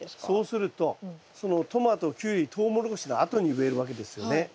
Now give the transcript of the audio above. そうするとそのトマトキュウリトウモロコシのあとに植えるわけですよね。